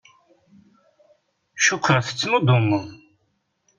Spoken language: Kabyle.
Cukkeɣ tettnuddumeḍ.